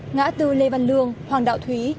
ngã từ lê văn lương hoàng đạo thúy